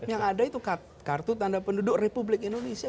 yang ada itu kartu tanda penduduk republik indonesia